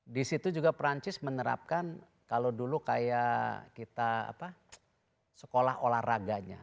disitu juga prancis menerapkan kalau dulu kayak kita sekolah olahraganya